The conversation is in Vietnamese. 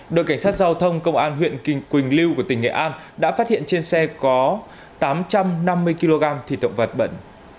đội cảnh sát giao thông công an huyện quỳnh lưu của tỉnh nghệ an đã phát hiện trên xe có tám trăm năm mươi kg thịt động vật bẩn